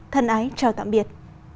thân ái chào tạm biệt